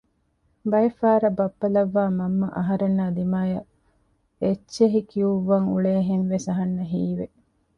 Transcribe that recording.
ބައެއްފަހަރަށް ބައްޕަ ލައްވައި މަންމަ އަހަރެންނާއި ދިމަޔަށް އެއްޗެއް ކިއުއްވަން އުޅޭހެންވެސް އަހަރެންނަށް ހީވެ